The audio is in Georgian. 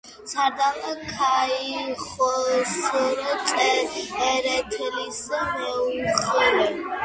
სარდალ ქაიხოსრო წერეთლის მეუღლე.